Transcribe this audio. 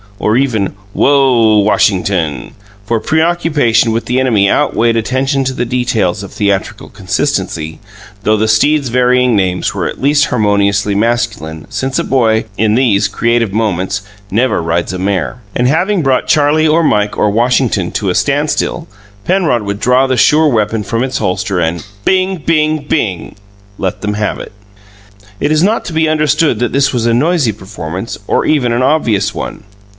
or even "Whoa, Washington!" for preoccupation with the enemy outweighed attention to the details of theatrical consistency, though the steed's varying names were at least harmoniously masculine, since a boy, in these, creative moments, never rides a mare. And having brought Charlie or Mike or Washington to a standstill, Penrod would draw the sure weapon from its holster and "Bing! Bing! Bing!" let them have it. It is not to be understood that this was a noisy performance, or even an obvious one.